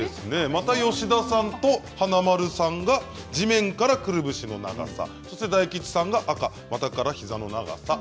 また吉田さんと華丸さんが地面からくるぶしの長さ大吉さんが赤股から膝の長さ。